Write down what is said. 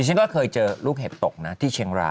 ดิฉันก็เกิดเจอลูกเหล็กตกที่เชงไร